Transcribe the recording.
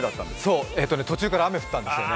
そう、途中から雨が降ったんですよね。